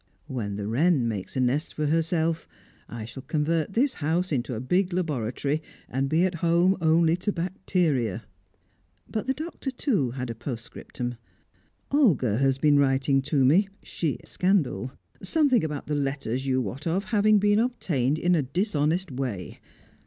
When the Wren makes a nest for herself, I shall convert this house into a big laboratory, and be at home only to bacteria." But the Doctor, too, had a postscriptum. "Olga has been writing to me, sheer scandal, something about the letters you wot of having been obtained in a dishonest way.